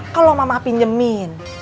kalau mama pinjemin